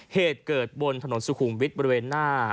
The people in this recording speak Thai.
เหตุเกิดบนถนนสุขุมวิทย์บริเวณหน้า